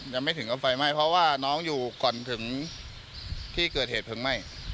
ยังไม่ถึงกับไฟไหม้เพราะว่าน้องอยู่ก่อนถึงที่เกิดเหตุเพลิงไหม้